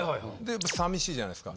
やっぱ寂しいじゃないですか。